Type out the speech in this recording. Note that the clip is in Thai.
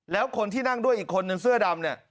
แล้วคนที่นั่งด้วยอีกคนนึงเสื้อดำเนี่ย